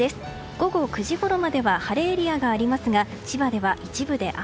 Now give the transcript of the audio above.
午後９時ごろまでは晴れエリアがありますが千葉では一部で雨。